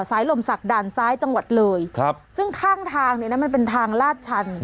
หล่มศักด่านซ้ายจังหวัดเลยครับซึ่งข้างทางเนี่ยนะมันเป็นทางลาดชัน